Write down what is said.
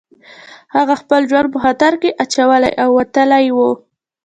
هغه خپل ژوند په خطر کې اچولی او وتلی و